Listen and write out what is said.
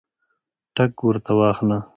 ټګ ورته واخله.